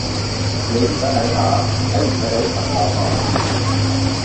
你而家睇下睇唔睇到群檔案